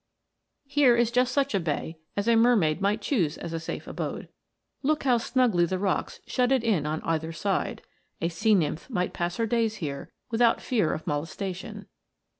Here is just such a bay as a mermaid might choose as a safe abode. Look how snugly the rocks shut it in on either side : a sea nymph might pass her days here without fear of molestation.